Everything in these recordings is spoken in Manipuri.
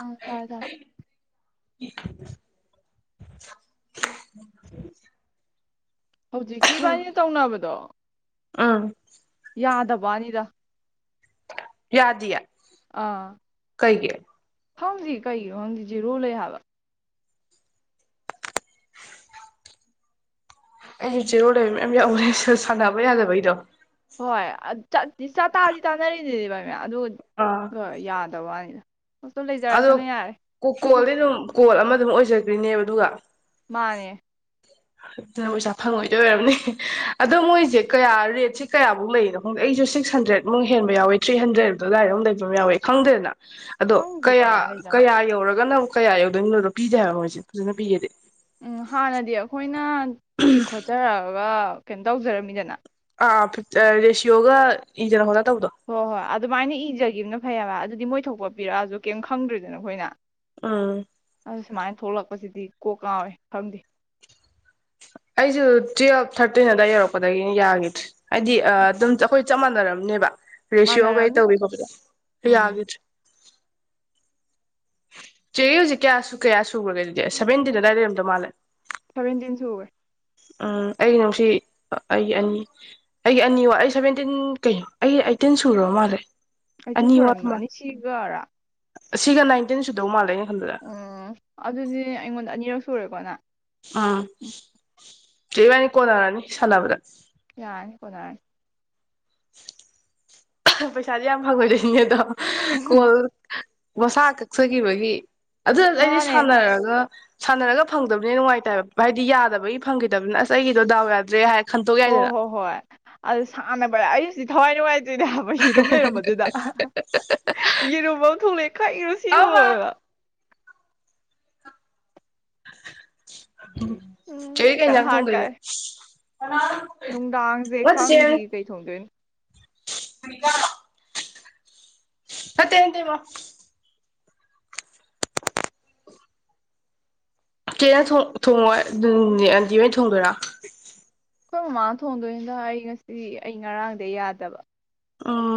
ꯑꯥ ꯇꯥꯔꯦ ꯇꯥꯔꯦ [inaudible] ꯍꯧꯖꯤꯛꯀꯤꯏꯕꯥꯥꯏꯅꯤꯅ ꯇꯧꯅꯕꯗꯣ ꯑꯝ ꯋꯥꯔꯤꯗ ꯌꯥꯗꯤꯌꯦ ꯑꯥ ꯀꯩꯒꯤ ꯈꯪꯗꯤ ꯀꯩꯒꯤꯅꯣ ꯈꯪꯗꯤ ꯖꯤꯔꯣ ꯂꯩ ꯍꯥꯏꯕ ꯑꯩꯖꯨꯖꯦꯔꯣ ꯂꯩꯕ ꯃꯌꯥꯝ ꯌꯥꯎꯒꯔꯦꯁ ꯁꯥꯟꯅꯕ ꯌꯥꯗꯕꯩꯗꯣ ꯍꯣꯏ ꯑꯗ ꯆꯠ ꯂꯤꯁꯥ ꯇꯥꯗꯤ ꯇꯥꯅꯔꯤꯅꯤꯗꯤꯕꯥꯏ ꯑꯗꯨ ꯑꯥ ꯒ ꯌꯥꯗꯕ ꯋꯥꯅꯤꯗ ꯑꯗꯣ ꯀꯣꯀꯣ ꯗꯤ ꯑꯗꯨꯝ ꯀꯣꯜ ꯑꯃ ꯑꯗꯨꯝ ꯑꯣꯏꯖꯗꯨꯏꯅꯦꯕ ꯑꯗꯨꯒ ꯃꯥꯅꯦ ꯑꯗꯨꯅ ꯄꯩꯁꯥ ꯐꯪꯉꯣꯏꯗꯣꯏ ꯑꯣꯏꯔꯝꯅꯤ ꯑꯗꯣ ꯃꯣꯏꯁꯦ ꯀꯌꯥ ꯔꯦꯠꯁꯦ ꯀꯌꯥꯃꯨꯛ ꯂꯩꯔꯤꯅꯣ ꯈꯪꯗꯦ ꯑꯩꯁꯨ ꯁꯤꯛꯁ ꯍꯟꯗ꯭ꯔꯦꯗꯃꯨꯛ ꯍꯦꯟꯕ ꯌꯥꯎꯋꯦ ꯊ꯭ꯔꯤ ꯍꯟꯗ꯭ꯔꯦꯗ ꯑꯗꯨꯗꯥꯏꯗ ꯑꯃꯨ ꯂꯩꯕ ꯑꯃ ꯌꯥꯎꯋꯦ ꯈꯪꯗ꯭ꯔꯦꯅ ꯑꯗꯣ ꯈꯪꯗꯦ ꯀꯌꯥ ꯀꯃꯥꯏ ꯂꯩꯖꯥꯠꯅꯣ ꯀꯌꯥ ꯌꯧꯔꯒꯅ ꯑꯃꯨꯛ ꯀꯌꯥ ꯌꯧꯗꯣꯏꯅꯣꯗꯣ ꯄꯤꯗꯦ ꯍꯥꯏꯕ ꯃꯣꯏꯁꯦ ꯐꯖꯅ ꯄꯤꯒꯦꯗꯦ ꯎꯝ ꯍꯥꯟꯅꯗꯤ ꯑꯈꯣꯏꯅ ꯇꯤꯛ ꯈꯣꯇꯆꯔ ꯑ ꯀꯩꯅꯣ ꯇꯧꯖꯔꯝꯃꯤꯗꯅ [inaudible] ꯍꯣ ꯍꯣꯏ ꯑꯗꯨ ꯑꯗꯨꯃꯥꯏꯅ ꯏꯖꯒꯤꯕꯅ ꯐꯩ ꯍꯥꯏꯕ ꯑꯗꯨꯗꯤ ꯃꯣꯏ ꯊꯣꯛꯄ ꯄꯤꯔꯛꯑꯖꯨ ꯀꯩꯝ ꯈꯪꯗ꯭ꯔꯦꯗꯅ ꯑꯈꯣꯏꯅ ꯎꯝ ꯊꯣꯛꯂꯛꯄꯁꯤꯗꯤ ꯀꯣꯛ ꯉꯥꯎꯔꯦ ꯈꯪꯗꯦ ꯑꯩꯁꯨ ꯇꯨꯋꯦꯜꯐ ꯊꯥꯔꯇꯤꯟ ꯑꯗꯨꯋꯥꯏ ꯌꯧꯔꯛꯄꯗꯒꯤꯅꯤ ꯌꯥꯒꯤꯗ꯭ꯔꯤ ꯍꯥꯏꯗꯤ ꯑ ꯑꯗꯨꯝ ꯑꯩꯈꯣꯏ ꯆꯞ ꯃꯥꯟꯅꯔꯝ ꯅꯦꯕ ꯔꯤꯁꯤꯑꯣ ꯀꯩ ꯃꯥꯟꯅꯔꯝꯅꯤ ꯇꯧꯋꯤ ꯐꯧꯗ ꯎꯝ ꯌꯥꯒꯤꯗꯔꯦ ꯆꯦꯒꯤ ꯍꯧꯖꯤꯛ ꯀꯌꯥꯁꯨ ꯀꯌꯥ ꯁꯨꯒꯔꯦ ꯑꯗꯨꯗꯤ ꯁꯕꯦꯟꯇꯤꯟ ꯑꯗꯥꯏ ꯂꯩꯔꯝꯗꯧ ꯃꯥꯜꯂꯦ ꯁꯚꯦꯟꯇꯤꯟꯁꯨꯒꯔꯦ ꯎꯝ ꯑꯩꯒꯤ ꯉꯁꯤ ꯑ ꯑꯩꯒꯤ ꯑꯅꯤ ꯑꯩꯒꯤ ꯑꯅꯤ ꯋꯥ ꯑꯩ ꯁꯚꯦꯟꯇꯤꯟ ꯀꯩꯅꯣ ꯑꯩ ꯑꯩꯇꯤꯟ ꯁꯨꯔꯕ ꯃꯥꯜꯂꯦ ꯑꯩꯇꯤꯟ ꯑꯅꯤ ꯋꯥꯠꯄ ꯁꯨꯔꯝꯃꯅꯤ ꯃꯥꯜꯂꯦ ꯁꯤꯒꯔꯥ ꯁꯤꯒ ꯅꯥꯏꯟꯇꯤꯟ ꯁꯨꯗꯧ ꯃꯥꯜꯂꯦ ꯑꯩꯅ ꯈꯟꯕꯗ ꯑꯣ ꯑꯗꯨꯗꯤ ꯑꯩꯉꯣꯟꯗ ꯑꯅꯤꯔꯛ [unintelligible] ꯑꯥ ꯎꯝ ꯆꯦꯕꯥꯅꯤ ꯀꯣꯟꯅꯔꯅꯤ ꯁꯥꯟꯅꯕꯗ ꯌꯥꯥꯔꯅꯤ ꯀꯣꯟꯅꯔꯅꯤ [inaudible] ꯄꯩꯁꯥꯗꯤ ꯌꯥꯝ ꯐꯪꯉꯣꯏꯗꯣꯏꯅꯤꯅꯦ ꯑꯗꯣ ꯍꯥ ꯎꯝ ꯀꯣꯜ ꯃꯁꯥ ꯀꯛꯆꯒꯤꯕꯒꯤ ꯑꯗꯨ ꯑꯩꯗꯤ ꯃꯥꯅꯦ ꯁꯥꯟꯅꯔꯒ ꯁꯥꯟꯅꯔꯒ ꯐꯪꯗꯝꯅꯤꯅ ꯅꯨꯡꯉꯥꯏꯇꯦ ꯍꯥꯏꯕ ꯍꯥꯏꯗꯤ ꯌꯥꯗꯕꯩ ꯐꯪꯈꯤꯗꯝꯅꯤꯅ ꯑꯁ ꯑꯩꯒꯤꯗꯣ ꯗꯥꯎ ꯌꯥꯗ꯭ꯔꯦ ꯍꯥꯏ ꯍꯣ ꯍꯣ ꯍꯣꯏ ꯑꯗꯨ ꯁꯥꯟꯅꯕꯔꯥ ꯑꯩ ꯊꯋꯥꯏꯅꯨꯡꯉꯥꯏ ꯏꯅꯦꯕ ꯌꯦꯔꯨꯝ ꯂꯩꯔꯝꯕꯗꯨꯗ ꯍꯥ ꯍꯥ ꯍꯥ ꯌꯦꯔꯨꯝ ꯑꯃ ꯊꯣꯛꯂꯛꯑꯦ ꯀꯩꯅꯣ ꯑꯃ ꯁꯤꯕꯨꯅ [unintelligible] [inaudible] ꯆꯦ ꯎꯝ ꯕꯤ ꯀꯩ ꯈꯤꯇꯪ ꯏꯟꯖꯥꯡ ꯊꯣꯡꯗꯣꯏꯅꯣ ꯍꯥꯠꯀꯥꯏ [inaudible] ꯅꯨꯡꯗꯥꯡꯁꯦ ꯉ ꯆꯦ ꯈꯪꯗꯤ ꯀꯩ ꯊꯣꯡꯗꯣꯏꯅꯣ [unintelligible] ꯆꯦꯅ ꯊꯣꯡ ꯊꯣꯡꯉꯣꯏ [unintelligible] ꯑꯟꯇꯤꯍꯣꯏꯅ ꯊꯣꯡꯗꯣꯏꯔꯣ ꯑꯩꯈꯣꯏ ꯃꯃꯥꯅ ꯊꯣꯡꯗꯣꯏꯅꯤꯗ ꯑꯩ ꯉꯁꯤ ꯑꯩ ꯉꯔꯥꯡꯗꯩ ꯌꯥꯗꯕ ꯑꯣ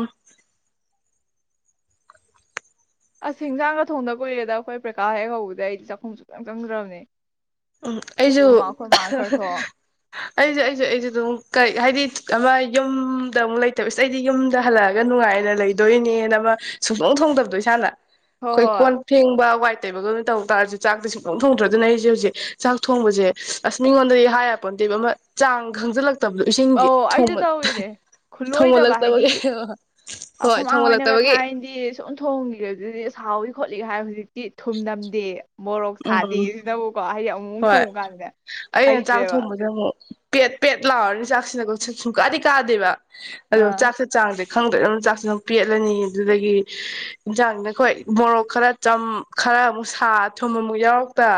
ꯑꯁ ꯍꯤꯡꯖꯥꯡꯒ ꯊꯣꯡꯗ ꯀꯨꯏꯔꯦꯗ ꯑꯩꯈꯣꯏ ꯄꯩꯈꯥ ꯍꯦꯛ ꯍꯧꯕꯗꯩ ꯑꯩ ꯆꯥꯛꯈꯨꯝ ꯁꯨꯛꯆꯪ ꯆꯪꯗ꯭ꯔꯕꯅꯦ ꯎꯝ ꯑꯩꯖꯨ ꯑꯗꯨ ꯃꯥ ꯑꯩꯈꯣꯏ ꯃꯥꯅ ꯈꯔ ꯊꯣꯡ [inaudible] ꯑꯩꯖꯨ ꯑꯩꯖꯨ ꯑꯩꯖꯨ ꯑꯗꯨꯝ ꯀꯩ ꯍꯥꯏꯗꯤ ꯑꯃ ꯌꯨꯝꯗ ꯑꯃꯨꯛ ꯂꯩꯇꯕ ꯏꯁ ꯑꯩꯗꯤ ꯌꯨꯝꯗ ꯍꯜꯂꯛꯑꯒ ꯅꯨꯡꯉꯥꯏꯅ ꯂꯩꯗꯣꯏꯅꯦꯅ ꯑꯃ ꯁꯨꯡꯊꯣꯡ ꯊꯣꯡꯗꯕꯗꯣ ꯏꯁꯥꯅ ꯍꯣꯏ ꯈꯣꯏ ꯍꯣꯏ ꯀꯣꯟ ꯐꯦꯡꯕ ꯋꯥꯏ ꯇꯩꯕꯒꯨꯝ ꯇꯩꯇꯥꯔꯁꯨ ꯆꯥꯛꯇꯤ ꯁꯨꯛꯊꯣꯛ ꯊꯣꯡꯗ꯭ꯔꯦ ꯑꯩꯁꯦ ꯍꯧꯖꯤꯛ ꯆꯥꯛ ꯊꯣꯡꯕꯁꯦ ꯑꯁ ꯃꯤꯉꯣꯟꯗꯗꯤ ꯍꯥꯏ ꯌꯥꯄꯣꯠꯇꯦꯕ ꯑꯃ ꯆꯥꯡ ꯈꯪꯖꯜꯂꯛ ꯇꯧꯕꯗꯣ ꯏꯁꯤꯡꯒꯤ ꯑꯧ ꯑꯩꯁꯨ ꯊꯣꯡꯃ ꯇꯧꯋꯤꯅꯦ [inaudible] ꯈꯨꯠꯂꯣꯏꯗꯕ ꯍꯥꯏꯗꯤ ꯊꯣꯡꯃꯜꯂꯛꯇꯕꯒꯤ [inaudible] ꯍꯣꯏ ꯊꯣꯡꯃꯜꯂꯛꯇꯕꯒꯤ [unintelligible] ꯊꯣꯡꯈ꯭ꯔꯦ ꯑꯗꯨꯗꯤ ꯁꯥꯎꯋꯤ ꯈꯣꯠꯂꯤ ꯀ ꯍꯥꯏ ꯍꯧꯖꯤꯛꯇꯤ ꯊꯨꯝꯅꯝꯗꯦ ꯃꯣꯔꯣꯛ ꯁꯥꯗꯦ ꯎꯝ ꯁꯤꯅꯕꯨꯀꯣ ꯍꯥꯏꯗꯤ ꯑꯃꯨꯃꯨꯛ ꯍꯣꯏ ꯊꯣꯡꯕ ꯀꯥꯟꯗ ꯑꯩꯅ ꯆꯥꯛ ꯍꯩꯇ꯭ꯔꯦꯕ ꯊꯣꯡꯕꯁꯦ ꯑꯃꯨꯛ ꯄꯦꯠ ꯄꯦꯠ ꯂꯥꯎꯔꯅꯤ ꯆꯥꯛꯁꯤꯅꯀꯣ ꯁ ꯁꯨꯡꯀꯥꯗꯤ ꯀꯥꯗꯦꯕ ꯑꯗꯣ ꯑꯥ ꯆꯥꯛꯁꯦ ꯆꯥꯡꯖꯦ ꯈꯪꯗ꯭ꯔꯦ ꯑꯗꯨ ꯆꯥꯛꯁꯤ ꯑꯗꯨꯝ ꯄꯦꯠꯂꯅꯤ ꯑꯗꯨꯗꯒꯤ ꯍꯦꯟꯖꯥꯡꯁꯤꯅ ꯍꯣꯏ ꯃꯣꯔꯣꯛ ꯈꯔ ꯆꯝ ꯈꯔ ꯑꯃꯨꯛ ꯁꯥ ꯊꯨꯝ ꯑꯃꯨꯛ ꯌꯥꯎꯔꯛꯇ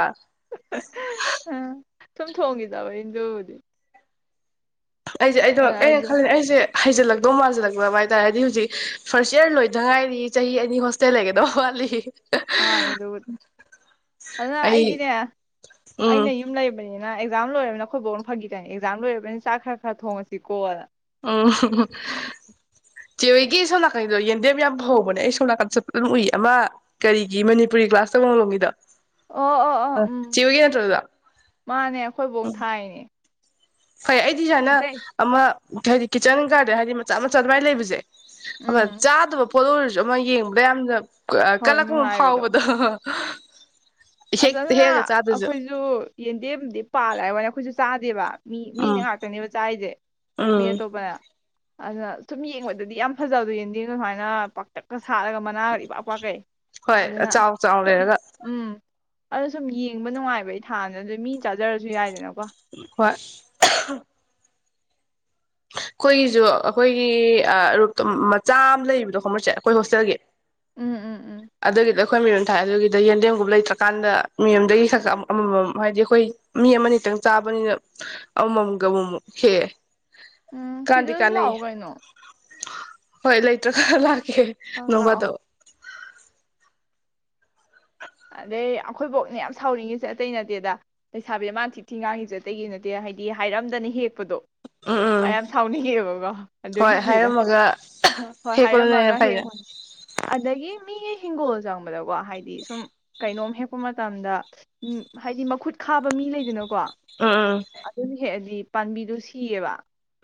ꯑꯥ ꯁꯨꯝ ꯊꯣꯡꯈꯤꯗꯕꯩꯅꯤ ꯗꯨꯕꯨꯗꯤ ꯑꯩꯁꯦ ꯑꯩꯗꯣ ꯑꯩꯅ ꯈꯜꯂꯤꯁꯦ ꯑꯩꯁꯦ ꯍꯩꯖꯜꯂꯛꯇꯧ ꯃꯥꯥꯟꯁꯤꯜꯂꯛꯄ꯭ꯔꯕ ꯍꯥꯏꯇꯥꯔꯦ ꯍꯥꯏꯗꯤ ꯍꯧꯖꯤꯛ ꯐꯥꯔꯁ ꯏꯌꯔ ꯂꯣꯏꯗ ꯉꯥꯏꯔꯤ ꯆꯍꯤ ꯑꯅꯤ ꯍꯣꯁꯇꯦꯜ ꯂꯩꯒꯗꯧ ꯋꯥꯠꯂꯤ ꯃꯥꯅꯦ ꯑꯗꯨꯕꯨꯗꯤ ꯑꯗꯨꯅ ꯑꯩ ꯑꯩꯗꯤꯅꯦ ꯎꯝ ꯑꯩꯅ ꯌꯨꯝ ꯂꯩꯕꯅꯤ ꯑꯅ ꯑꯦꯛꯖꯥꯝ ꯂꯣꯏꯔꯕꯃꯤꯅ ꯑꯩꯈꯣꯏꯕꯣꯛꯅ ꯐꯥꯒꯤ ꯇꯧꯔꯤꯅꯦ ꯑꯦꯛꯖꯥꯝ ꯂꯣꯏꯔꯕꯅꯤ ꯆꯥꯛ ꯈꯔ ꯈꯔ ꯊꯣꯡꯉꯁꯤꯀꯣ ꯎꯝ ꯍ ꯍ ꯆꯦꯍꯣꯢꯏꯒꯤ ꯁꯣꯝ ꯅꯥꯀꯟꯗꯣ ꯌꯦꯟꯗꯦꯝ ꯌꯥꯝ ꯍꯧꯕꯅꯦ ꯑꯩ ꯁꯣꯝ ꯅꯥꯀꯟꯁꯨ ꯆꯠꯄꯗ ꯗꯨꯝ ꯎꯏ ꯑꯃ ꯀꯔꯤꯒꯤ ꯃꯅꯤꯄꯨꯔꯤ ꯀ꯭ꯂꯥꯁ ꯇ ꯃꯡꯂꯣꯝꯒꯤꯗꯣ ꯑꯣ ꯑꯣ ꯑꯣ ꯎꯝ ꯃꯥꯅꯦ ꯑꯩꯈꯣꯏ ꯕꯣꯛꯅ ꯊꯥꯏꯅꯦ ꯐꯩ ꯑꯩꯗꯤ ꯁꯥꯢꯅ ꯑꯇꯩ ꯑꯃ ꯍꯥꯏꯗꯤ ꯀꯤꯠꯆꯟ ꯒꯥꯔꯗꯦꯟ ꯍꯥꯏꯗꯤ ꯃꯆꯥ ꯃꯆꯥ ꯑꯗꯨꯃꯏꯅ ꯂꯩꯕꯁꯦ ꯑ ꯎꯝ ꯆꯥꯗꯕ ꯄꯣꯂꯣꯔꯁꯨ ꯑꯃ ꯌꯦꯡꯕꯗ ꯌꯥꯝꯅ ꯀ ꯍꯣꯏ ꯀꯂꯛꯄ ꯅꯨꯡꯉꯥꯏꯕꯗꯣ ꯐꯥꯎꯕꯗꯣ [inaudible] ꯍꯦꯛ ꯑꯁ ꯑꯗꯨꯅ ꯍꯦꯛꯑꯒ ꯆꯥꯗꯣꯏꯁꯨ ꯑꯩꯈꯣꯏꯁꯨ ꯌꯦꯟꯗꯦꯝꯗꯤ ꯄꯥꯜꯂꯦ ꯍꯥꯏꯕꯅ ꯑꯩꯈꯣꯏꯁꯨ ꯆꯥꯗꯦꯕꯥ ꯃꯤ ꯃꯤꯅ ꯎꯝ ꯉꯥꯛꯇꯅꯦꯕ ꯆꯥꯔꯤꯁꯦ ꯃꯤ ꯎꯝ ꯑꯇꯣꯞꯄꯅ ꯑꯗꯨꯗ ꯁꯨꯝ ꯌꯦꯡꯕꯗꯗꯤ ꯌꯥꯝ ꯐꯖꯕꯗꯣ ꯌꯦꯡ ꯌꯦꯡ ꯁꯨꯃꯥꯏꯅ ꯄꯥꯛꯇꯛꯀ ꯁꯥꯔꯒ ꯃꯅꯥꯒꯗꯤ ꯏ ꯄꯥꯛ ꯄꯥꯛꯀꯩ ꯍꯣꯏ ꯑꯗꯨꯅ ꯆꯥꯎ ꯆꯥꯎ ꯁꯨꯝ ꯂꯩꯔꯒ ꯎꯝ ꯑꯗꯣ ꯁꯨꯝ ꯌꯦꯡꯕ ꯅꯨꯡꯉꯥꯏꯕꯩ ꯊꯥꯅ ꯑꯗꯨ ꯃꯤ ꯆꯥꯖꯔꯁꯨ ꯌꯥꯏꯗꯅ ꯈꯣꯢ ꯑꯍꯝ ꯑꯩꯈꯣꯏꯒꯤꯁꯨ ꯑꯩꯈꯣꯏꯒꯤ ꯔꯨꯞꯇꯣ ꯃꯆꯥ ꯑꯃ ꯂꯩꯕꯗꯣ ꯈꯪꯕꯔ ꯆꯦ ꯑꯩꯈꯣꯏ ꯍꯣꯁꯇꯦꯜꯒꯤ ꯎꯝ ꯎꯝ ꯎꯝ ꯑꯗꯒꯤꯗ ꯑꯩꯈꯣꯏ ꯃꯌꯣꯟꯝ ꯊꯥꯏꯑ ꯑꯗꯨꯒꯤꯗ ꯌꯦꯟꯗꯦꯝꯒꯨꯝꯕ ꯂꯩꯇ꯭ꯔꯀꯥꯟꯗ ꯃꯤꯌꯨꯝꯗꯒꯤ ꯈꯛ ꯑꯃꯃꯝ ꯍꯥꯏꯗꯤ ꯑꯩꯈꯣꯏ ꯃꯤ ꯑꯃꯇꯪ ꯆꯥꯕꯅꯤꯅ ꯑꯃꯃꯝꯒ ꯑꯃꯨꯛꯃꯨꯛ ꯍꯦꯛꯑꯦ ꯎꯝ ꯀꯥꯟꯗꯤ ꯁꯤꯗꯁꯨ ꯀꯥꯟꯅꯩ ꯂꯥꯛꯑꯣ ꯀꯩꯅꯣ ꯍꯣꯏ ꯂꯩꯇ꯭ꯔ ꯈꯔ ꯂꯥꯛꯑꯦ ꯍꯦ ꯍꯦ ꯑꯥ ꯂꯥꯛꯑꯣ ꯅꯣꯡꯐꯥꯗꯣꯛ ꯑꯗꯩ ꯑꯩꯈꯣꯏꯕꯥꯛꯅ ꯌꯥꯝ ꯁꯥꯎꯅꯤꯡꯉꯤꯁꯦ ꯑꯇꯩ ꯅꯠꯇꯦꯗ ꯂꯩꯁꯥꯕꯤꯗ ꯃꯥ ꯊꯤ ꯊꯤ ꯉꯥꯡꯉꯤꯁꯦ ꯑꯇꯩꯒꯤ ꯅꯠꯇꯦ ꯍꯥꯏꯗꯤ ꯍꯥꯏꯔꯝꯗꯅ ꯍꯦꯛꯄꯗꯣ ꯎꯝ ꯎꯝ ꯃꯌꯥꯝ ꯁꯥꯎꯅꯤꯡꯉꯦꯕꯀꯣ ꯍꯣꯏ ꯑꯗꯨꯒꯤꯅꯤꯗ ꯍꯥꯏꯔꯝꯃꯒ ꯍꯣꯏ ꯍꯦꯛꯄꯗꯨꯅ ꯍꯦꯟꯅ ꯍꯥꯏꯔꯝꯃꯒ ꯐꯩꯗ ꯍꯦꯛꯄ ꯑꯗꯒꯤ ꯃꯤ ꯍꯤꯡꯒꯣꯜ ꯆꯪꯕꯗ ꯀꯣ ꯍꯥꯏꯗꯤ ꯁꯨꯝ ꯀꯩꯅꯣꯝ ꯍꯦꯛꯄ ꯃꯇꯝꯗ ꯎ ꯍꯥꯏꯗꯤ ꯃꯈꯨꯠ ꯈꯥꯕ ꯃꯤ ꯂꯩꯗꯅ ꯀꯣ ꯎꯝ ꯎꯝ ꯑꯗꯨꯅ ꯍꯦꯛꯑꯗꯤ ꯄꯥꯝꯕꯤꯗꯨ ꯁꯤꯌꯦꯕ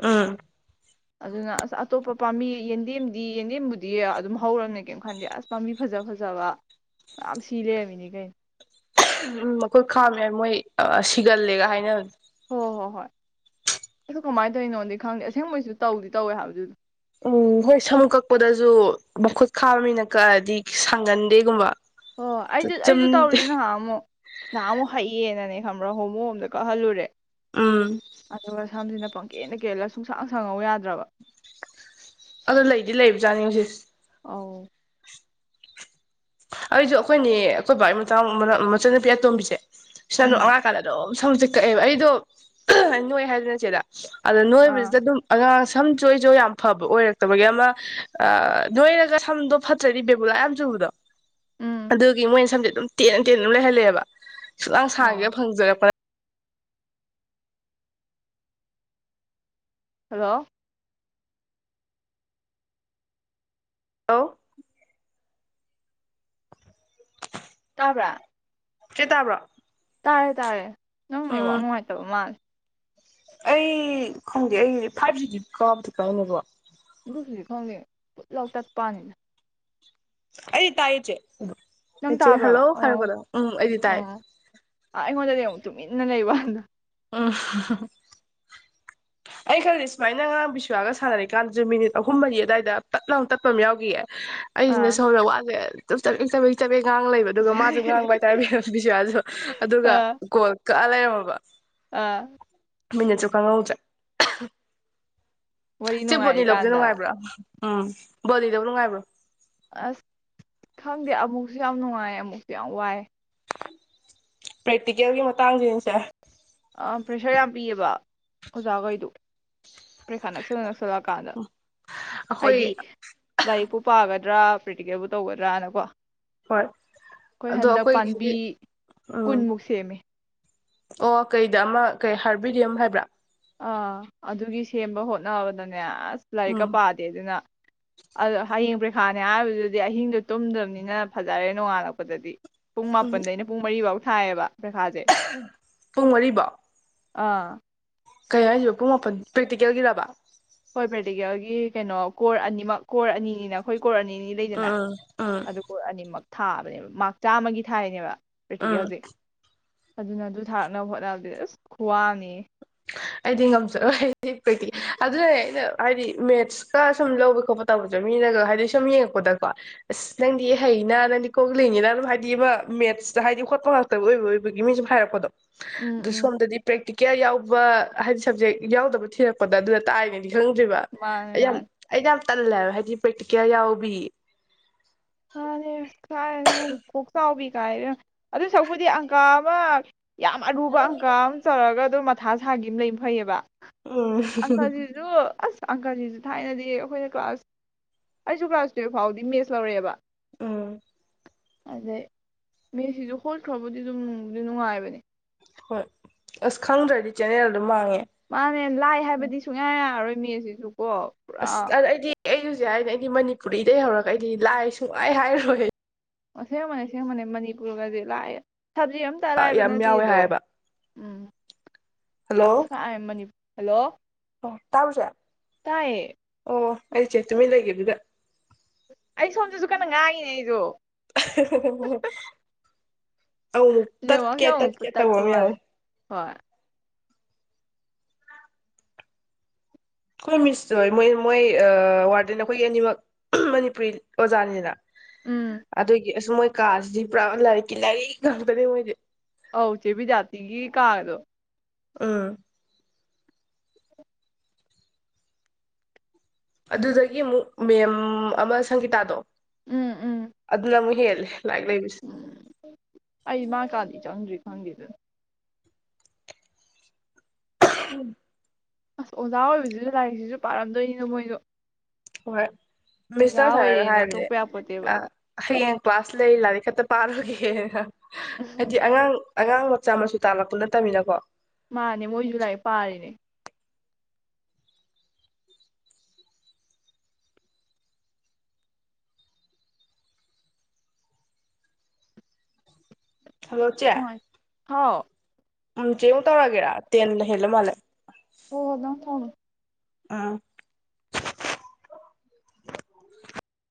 ꯎꯝ ꯑꯗꯨꯅ ꯑꯁ ꯑꯇꯣꯞꯄ ꯄꯥꯝꯕꯤ ꯌꯦꯟꯗꯦꯝꯗꯤ ꯌꯦꯟꯗꯦꯝꯕꯨꯗꯤ ꯑꯗꯨꯝ ꯍꯧꯔꯕꯅꯤ ꯀꯩꯝ ꯈꯟꯗꯦ ꯑꯁ ꯄꯥꯝꯕꯤ ꯐꯖ ꯐꯖꯕ ꯃꯌꯥꯝ ꯁꯤ ꯂꯩꯔꯝꯃꯤꯅꯤ ꯀꯩꯅꯣ ꯎꯝ ꯃꯈꯣꯏ ꯈꯥꯝꯃꯦ ꯃꯣꯏ ꯁꯤꯒꯜꯂꯦꯒ ꯍꯥꯏꯅꯕ ꯍꯣꯏ ꯍꯣꯏ ꯍꯣꯏ ꯑꯗꯨ ꯀꯃꯥꯏꯅ ꯇꯧꯔꯤꯅꯣꯗꯤ ꯈꯪꯗꯦ ꯑꯁꯦꯡꯕꯩꯁꯨ ꯇꯧꯗꯤ ꯇꯧꯋꯦ ꯍꯥꯏꯕꯗꯨ ꯎꯝ ꯍꯣꯏ ꯁꯃꯨꯛ ꯀꯛꯄꯗꯁꯨ ꯃꯈꯨꯠ ꯈꯥꯕ ꯃꯤꯅ ꯀꯛꯑꯗꯤ ꯁꯥꯡꯒꯟꯗꯦꯒꯨꯝꯕ ꯑꯣ ꯑꯩꯁꯨ ꯑꯩꯁꯨ ꯇꯧꯔꯤ ꯅꯍꯥꯟ ꯃꯨꯛ ꯅꯍꯥꯟ ꯃꯨꯛ ꯍꯩꯌꯦꯅꯅꯦ ꯈꯝꯕꯔꯥ ꯍꯣꯃꯣꯃꯗ ꯀꯛꯍꯜꯂꯨꯔꯦ ꯎꯝ ꯑꯗꯨꯒ ꯁꯝꯁꯤꯅ ꯄꯪꯀꯦꯟꯗ ꯀꯦꯜꯂꯒ ꯁꯨꯡꯁꯥꯡ ꯁꯉꯛꯑꯣ ꯌꯥꯗ꯭ꯔꯕ ꯑꯗꯣ ꯂꯩꯗꯤ ꯂꯩꯕꯖꯥꯠꯅꯤꯉꯣ ꯁꯤꯖꯦ ꯑꯥꯎ ꯑꯩꯁꯨ ꯑꯩꯈꯣꯏꯅꯦ ꯑꯩꯈꯣꯏ ꯕꯥꯒꯤ ꯃꯆꯥ ꯃꯔꯛ ꯃꯆꯟꯅꯨꯄꯤ ꯑꯇꯣꯝꯕꯤꯁꯦ ꯅ ꯎꯝ ꯑ ꯀꯂꯗꯣ [unintelligible] ꯁꯝꯁꯦ ꯀꯛꯑꯦꯕ ꯑꯩꯗꯣ ꯑꯍ ꯅꯣꯏ ꯍꯥꯏꯗꯅ ꯆꯦꯗ ꯑꯗ ꯑꯥ ꯅꯣꯏꯕꯁꯤꯗ ꯑꯗꯨꯝ ꯑꯉꯥꯡ ꯁꯝꯁꯨ ꯑꯩꯁꯨ ꯌꯥꯝ ꯐꯕ ꯑꯣꯏꯔꯛꯇꯕꯒꯤ ꯑꯃ ꯅꯣꯏꯔꯒ ꯁꯝꯗꯣ ꯐꯠꯇ꯭ꯔꯗꯤ ꯕꯦꯕꯨꯂꯥ ꯌꯥꯝ ꯆꯨꯕꯗꯣ ꯎꯝ ꯑꯗꯨꯒꯤ ꯃꯣꯏꯅ ꯁꯝꯁꯦ ꯑꯗꯨꯝ ꯇꯦꯟꯅ ꯇꯦꯟ ꯑꯗꯨꯝ ꯂꯩꯍꯜꯂꯦꯕ ꯁꯨꯡꯁꯥꯡ ꯁꯥꯥꯡꯒꯦ ꯑꯥ ꯐꯪꯖꯔꯄ ꯍꯜꯂꯣ ꯍꯂꯣ ꯇꯕ꯭ꯔꯥ ꯆꯦ ꯇꯥꯕ꯭ꯔꯣ ꯇꯥꯔꯦ ꯇꯥꯔꯦ ꯅꯪ ꯅꯦꯠꯋꯛ ꯎꯝ ꯅꯨꯡꯉꯥꯏ ꯇꯕ ꯃꯥꯜꯂꯦ ꯑꯩ ꯈꯪꯗꯦ ꯑꯩ ꯐꯥꯏꯚ ꯖꯤꯒꯤ ꯀꯥꯇꯤꯀꯥꯏ ꯅꯣꯏꯕꯣ ꯑꯗꯨꯒꯤꯔ ꯈꯪꯗꯦ ꯄꯨꯠꯂꯥꯎꯇꯠꯄꯥꯋꯅꯤꯗ ꯑꯩ ꯇꯥꯏꯆꯦ ꯅꯪ ꯆꯦꯆꯦꯅ ꯇꯥꯕ꯭ꯔꯕ ꯍꯜꯂꯣ ꯑꯣ ꯍꯥꯏꯔꯛꯄꯗꯣ ꯎꯝ ꯑꯩꯗꯤ ꯑꯣ ꯇꯥꯏ ꯑꯥ ꯑꯩꯉꯣꯟꯗꯗꯤ ꯑꯃꯨꯛ ꯇꯨꯃꯤꯟꯅ ꯂꯩꯕꯋꯅꯤꯗ ꯎꯝ ꯑꯩ ꯈꯪꯗꯦ ꯁꯨꯃꯥꯏꯅ ꯉꯔꯥꯡ ꯕꯤꯁ꯭ꯋꯥꯒ ꯁꯥꯅꯔꯤꯀꯥꯟꯗꯁꯨ ꯃꯤꯅꯤꯠ ꯑꯍꯨꯝ ꯃꯔꯤ ꯑꯗꯨꯋꯥꯏꯗ ꯄꯠꯅ ꯑꯃ ꯇꯠꯄ ꯑꯃ ꯌꯥꯎꯈꯤꯌꯦ ꯑꯩꯁꯤꯅ ꯑꯥ ꯁꯣꯝꯗ ꯋꯥꯖꯦ ꯑꯗꯨꯝ ꯆꯥꯕꯦ ꯆꯥꯕꯦꯡ ꯆꯥꯕꯦꯡ ꯉꯥꯡ ꯂꯩꯕ ꯑꯗꯨꯒ ꯃꯥꯁꯨ ꯉꯥꯡꯕ ꯍꯏꯇꯥꯔꯦ ꯕꯤꯁꯣꯌꯥꯁꯨ ꯑꯗꯨꯒ ꯑꯥ ꯀꯣꯜ ꯀꯛꯑꯂꯩꯔꯝ ꯃꯕꯥ ꯑꯥ ꯃꯤꯅꯠ ꯆꯁꯨ ꯈꯥꯉ ꯍꯧꯗꯔꯦ ꯋꯥꯔꯤ [unintelligible] ꯆꯦ ꯕꯣꯠꯅꯤ ꯂꯧꯕꯁꯦ ꯅꯨꯡꯉꯥꯏꯔꯤꯀꯥꯟꯗ ꯅꯨꯡꯉꯥꯏꯕ꯭ꯔꯥ ꯎꯝ ꯕꯣꯠꯅꯤ ꯂꯧꯕꯥ ꯅꯨꯡꯉꯥꯏꯕ꯭ꯔꯣ ꯑꯁ ꯈꯪꯗꯦ ꯑꯃꯨꯛꯁꯨ ꯌꯥꯝ ꯅꯨꯡꯉꯥꯏ ꯑꯃꯨꯛꯁꯨ ꯌꯥꯝ ꯋꯥꯏ ꯄ꯭ꯔꯦꯛꯇꯤꯀꯦꯜꯒꯤ ꯃꯇꯥꯡꯁꯤꯅꯤꯁ ꯄ꯭ꯔꯦꯁꯔ ꯌꯥꯝ ꯄꯤꯌꯦꯕ ꯑꯣꯖꯥꯈꯩꯗꯨ ꯄꯔꯤꯈꯥ ꯅꯛꯁꯜꯂ ꯅꯛꯁꯜꯂꯀꯥꯟꯗ ꯑꯩꯈꯣꯏ ꯍꯥꯏꯗꯤ ꯂꯥꯏꯔꯤꯛꯄꯨ ꯄꯥꯒ ꯗ꯭ꯔꯥ ꯄ꯭ꯔꯤꯇꯤꯀꯦꯕꯨ ꯇꯧꯒꯗ꯭ꯔꯥꯅꯀꯣ ꯍꯣꯏ ꯑꯩꯈꯣꯏ ꯑꯗꯣ ꯍꯟꯗꯛ ꯄꯥꯝꯕꯤ ꯑꯩꯈꯣꯏꯒꯤꯗꯤ ꯎꯝ ꯀꯨꯟꯃꯨꯛ ꯁꯦꯝꯃꯤ ꯑꯣ ꯀꯩꯗ ꯑꯃ ꯀꯩ ꯍꯥꯔꯕꯤꯗꯤꯌꯝ ꯍꯥꯏꯕ꯭ꯔꯥ ꯑꯥ ꯑꯗꯨꯒꯤ ꯁꯦꯝꯕ ꯍꯣꯠꯅꯕꯗꯅꯦ ꯅꯦ ꯑꯁ ꯎꯝ ꯂꯥꯏꯔꯤꯛꯀ ꯄꯥꯗꯦ ꯑꯗꯨꯅ ꯑꯗꯣ ꯍꯌꯦꯡ ꯄ꯭ꯔꯤꯈꯥꯅꯦ ꯍꯥꯏꯕꯗꯨꯗꯤ ꯑꯍꯤꯡꯗꯣ ꯇꯨꯝꯗꯕꯅꯤꯅ ꯐꯖꯔꯦ ꯅꯣꯡꯉꯥꯜꯂꯛꯄꯗꯗꯤ ꯄꯨꯡ ꯃꯥꯄꯟꯗꯩꯅ ꯄꯨꯡ ꯃꯔꯤ ꯐꯥꯎ ꯊꯌꯦꯕ ꯑ ꯍꯨ ꯄꯨꯡ ꯃꯔꯤꯕꯐꯥꯎ ꯑꯥ ꯀꯩ ꯍꯥꯏꯔꯤꯕꯔꯤꯕ ꯄꯨꯡ ꯃꯥꯄꯟ ꯄ꯭ꯔꯦꯛꯇꯤꯀꯦꯜꯒꯤꯔꯕ ꯍꯣꯏ ꯄ꯭ꯔꯦꯇꯤꯀꯦꯜꯒꯤ ꯀꯩꯅꯣ ꯀꯣꯔ ꯑꯅꯤꯃꯛ ꯀꯣꯔ ꯑꯅꯤꯅꯤꯅ ꯑꯩꯈꯣꯏ ꯀꯣꯔ ꯑꯅꯤ ꯑꯅꯤ ꯎꯝ ꯂꯩꯗꯅ ꯎꯝ ꯎꯝ ꯑꯗꯨ ꯀꯣꯔ ꯑꯅꯤꯃꯛ ꯊꯥꯕꯅꯦꯕ ꯃꯥꯥꯛ ꯆꯥꯝꯃꯒꯤ ꯊꯥꯔꯤꯅꯦꯕ ꯎꯝ ꯄ꯭ꯔꯦꯛꯇꯤꯀꯦꯜꯖꯦ ꯑꯗꯨꯅ ꯑꯗꯨ ꯊꯥꯔꯛꯅꯕ ꯍꯣꯠꯅꯕꯗꯤ ꯑꯁ ꯈꯨ꯭ꯋꯥꯝꯅꯤꯍꯦ ꯑꯩꯗꯤ ꯉꯝꯖꯔꯣꯏ ꯑꯩꯗꯤ ꯄ꯭ꯔꯦꯇꯤ ꯑꯗꯨꯅꯩꯅ ꯑꯩꯅ ꯍꯥꯏꯗꯤ ꯃꯦꯠꯁꯀ ꯁꯨꯝ ꯂꯧꯕ ꯈꯣꯠꯄ ꯇꯧꯕꯁꯦ ꯃꯤꯅꯒ ꯍꯥꯏꯗꯤ ꯁꯨꯝ ꯌꯦꯡꯉꯛꯄꯗꯀꯣ ꯑꯁ ꯅꯪꯗꯤ ꯍꯩꯅ ꯅꯪꯗꯤ ꯀꯣꯂꯤꯅꯤꯅ ꯑꯗꯨꯝ ꯍꯥꯏꯗꯤ ꯑꯃ ꯃꯦꯠꯁꯇ ꯍꯥꯏꯗꯤ ꯍꯣꯠꯄ ꯉꯥꯛꯇꯕ ꯑꯣꯏꯕ ꯑꯣꯏꯕꯒꯤ ꯃꯤ ꯁꯨꯝ ꯍꯥꯏꯔꯛꯄꯗꯣ ꯎꯝ ꯑꯗꯣ ꯎꯝ ꯁꯣꯝꯗꯗꯤ ꯄ꯭ꯔ ꯇꯤ ꯀꯌꯥ ꯌꯥꯎ [unintelligible] ꯕꯥ ꯍꯥꯏꯗꯤ ꯁꯕꯖꯦꯛ ꯌꯥꯎꯗꯕ ꯊꯤꯔꯛꯄꯗ ꯑꯗꯨꯗ ꯇꯥꯏ ꯏꯉꯩꯗꯤ ꯈꯪꯗ꯭ꯔꯤꯕ ꯃꯥꯅꯦ ꯑꯩ ꯌꯥꯝ ꯃꯥꯅꯦ ꯑꯩꯗꯤ ꯌꯥꯝ ꯇꯜꯂꯦꯕ ꯍꯥꯏꯦꯗꯤ ꯄ꯭ꯔꯦꯛꯠꯤꯀꯦꯜ ꯌꯥꯎꯕꯤ ꯃꯅꯦ ꯀꯥꯏꯅꯣ ꯀꯣꯛꯆꯥꯎꯕꯤ ꯀꯥꯏ ꯑꯗꯨ ꯁꯛꯄꯨꯗꯤ ꯑꯪꯀꯥ ꯑꯃ ꯌꯥꯝ ꯑꯔꯨꯕ ꯑꯪꯀ ꯑꯃ ꯆꯥꯎꯧꯔꯒ ꯑꯗꯨꯝ ꯃꯊꯥ ꯁꯥꯒꯤ ꯑꯃ ꯂꯩꯅ ꯐꯩꯌꯦꯕ ꯎꯝ ꯑꯪꯀꯖꯤꯖꯨ ꯑꯁ ꯑꯪꯀꯖꯤꯁꯨ ꯊꯥꯏꯅꯗꯤ ꯑꯩꯈꯣꯏꯅ ꯀ꯭ꯂꯥꯁ ꯑꯩꯁꯨ ꯀ꯭ꯂꯥꯁ ꯇꯨꯌꯦꯜꯐ ꯐꯥꯎꯗꯤ ꯃꯦꯠꯁ ꯂꯧꯔꯛꯑꯦꯕ ꯎꯝ ꯑꯗꯩ ꯃꯦꯁꯤꯁꯨ ꯍꯣꯠꯈ꯭ꯔꯕꯨꯗꯤ ꯑꯗꯨꯝ ꯅꯨꯡꯕꯨꯗꯤꯗꯤ ꯅꯨꯡꯉꯥꯏꯕꯅꯦ ꯍꯣꯏ ꯑꯁ ꯈꯪꯗ꯭ꯔꯗꯤ ꯆꯦꯅꯦꯜ ꯑꯗꯨ ꯃꯥꯡꯉꯦ ꯃꯥꯅꯦ ꯂꯥꯏ ꯍꯥꯏꯕꯗꯤ ꯁꯨꯡꯌꯥ ꯌꯥꯔꯣꯏ ꯃꯤꯁꯤꯁꯨ ꯑꯁ ꯑ ꯑꯩꯗꯤ ꯑꯩ ꯍꯧꯖꯤꯛ ꯍꯥꯏꯅꯦ ꯑꯩꯗꯤ ꯃꯅꯤꯄꯨꯔꯤꯗꯩ ꯍꯧꯔꯒ ꯑꯩꯗꯤ ꯂꯥꯏ ꯁꯨꯡꯍꯥꯏ ꯍꯥꯏꯔꯣꯏ ꯑꯁꯦꯡꯕꯅꯦ ꯑꯁꯦꯡꯕꯅꯦ ꯃꯅꯤꯄꯨꯔꯒꯗꯤ ꯂꯥꯏꯑꯦ ꯁꯕꯖꯦꯛ ꯑ ꯑꯃꯝꯇꯔꯥꯏꯕ ꯌꯥꯝ ꯌꯥꯎꯋꯦ ꯅꯠꯇꯦꯗꯣ ꯍꯥꯏꯌꯦꯕ ꯎꯝ ꯍꯜꯂꯣ ꯀꯥꯏ ꯃꯅꯤ ꯍꯜꯂꯣ ꯑꯣ ꯇꯥꯕ꯭ꯔꯣ ꯆꯦ ꯇꯥꯏꯌꯦ ꯑꯣ ꯑꯩ ꯆꯦꯠ ꯇꯨꯃꯤꯟ ꯂꯩꯒꯤꯕꯗꯨꯗ ꯑꯩ ꯁꯣꯝꯗꯁꯨ ꯀꯟꯅ ꯉꯥꯏꯉꯤꯅꯦ ꯑꯩꯁꯨꯣ ꯑꯍ ꯍꯣ ꯍꯣ ꯍꯣ ꯍꯣ [inaudible] ꯑꯃꯨꯃꯨꯛ ꯅꯦꯠꯋꯥꯛꯁꯦ ꯇꯠꯀꯦ ꯑꯃꯨꯛ ꯇꯠꯀꯦ ꯃꯨꯛ ꯇꯧꯕ ꯇꯠꯄ ꯃ ꯃꯥꯜꯂꯦ ꯌꯥꯎꯋꯦ ꯍꯣꯏ ꯈꯣꯏ ꯃꯤꯁꯇꯣ ꯃꯣꯏ ꯃꯣꯏ ꯋꯥꯔꯗꯦꯟ ꯑꯩꯈꯣꯏꯒꯤ ꯑꯅꯤꯃꯛ ꯑꯍꯝ ꯃꯅꯤꯄꯨꯔꯤ ꯑꯣꯖꯥꯅꯤꯅ ꯑꯗꯨꯏ ꯏꯁ ꯃꯣꯏ ꯀꯥꯁꯤꯗꯤ ꯄꯨꯔꯥ ꯂꯥꯏꯔꯤꯛꯀꯤ ꯂꯥꯏꯔꯤꯛ ꯉꯥꯛꯇꯅꯦ ꯃꯣꯏꯗꯤ ꯑꯧ ꯆꯦ ꯕꯤꯗ꯭ꯌꯥꯞꯇꯤꯒꯤ ꯀꯥꯔꯗꯣ ꯑꯥ ꯑꯗꯨꯗꯒꯤ ꯑꯃꯨꯛ ꯃꯦꯝ ꯑꯃ ꯁꯪꯒꯤꯇꯥꯗꯣ ꯎꯝ ꯎꯝ ꯑꯗꯨꯗꯅ ꯑꯃꯨ ꯍꯦꯂꯦ ꯂꯥꯏꯠ ꯂꯩꯕꯁꯦ ꯑꯩ ꯃꯥ ꯀꯥꯗꯤ [unintelligible] [inaudible] ꯑꯁ ꯑꯣꯖꯥ ꯑꯣꯏꯕꯁꯤꯁꯨ ꯂꯥꯏꯔꯤꯛꯁꯤꯁꯨ ꯄꯥꯔꯝꯗꯣꯏꯅꯦ ꯃꯣꯏꯖꯨ ꯍꯣꯏ ꯃꯤꯁꯅ ꯁꯥꯏꯅ ꯑꯣꯏꯔꯦꯅ ꯍꯥꯏꯕꯅꯦ ꯇꯣꯛꯄ ꯌꯥꯄꯣꯠꯇꯦꯕ ꯑꯥ ꯍꯌꯦꯡ ꯀ꯭ꯂꯥꯁ ꯂꯩ ꯂꯥꯏꯔꯤꯛ ꯈꯛꯇ ꯄꯥ ꯔ ꯒꯦ [unintelligible] ꯍꯥꯏꯗꯤ ꯑꯉꯥꯡ ꯑꯉꯥꯡ ꯃꯆꯥ ꯃꯁꯨ ꯇꯥꯜꯂꯛꯄꯨ ꯅꯠꯇꯃꯤꯅꯀꯣ ꯃꯥꯅꯦ ꯃꯣꯏꯁꯨ ꯂꯥꯏꯔꯤꯛ ꯄꯥꯔꯤꯅꯦ ꯍꯂꯣ ꯆꯦ ꯅꯨꯡꯉꯥꯏ ꯍꯥꯎ ꯑꯪ ꯆꯦ ꯎ ꯇꯧꯔꯒꯦꯔꯥ ꯇꯦꯟ ꯍꯦꯜꯂ ꯃꯥꯜꯂꯦ ꯍꯣ ꯅꯪ ꯊꯝ ꯑꯥ [inaudible]